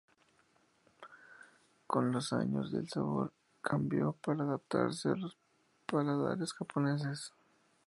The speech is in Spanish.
Con los años el sabor cambió para adaptarse a los paladares japoneses.